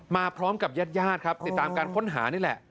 มาพร้อมกับญาติญาติครับติดตามการค้นหานี่แหละ